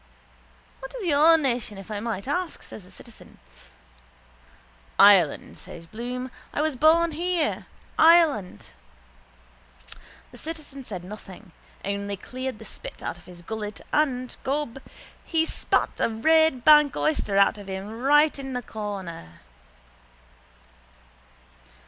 —What is your nation if I may ask? says the citizen. —Ireland, says Bloom. I was born here. Ireland. The citizen said nothing only cleared the spit out of his gullet and, gob, he spat a Red bank oyster out of him right in the corner.